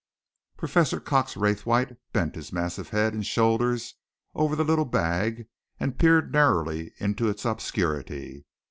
Professor Cox Raythwaite bent his massive head and shoulders over the little bag and peered narrowly into its obscurity.